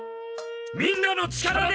みんなの力で！